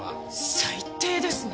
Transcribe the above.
最低ですね！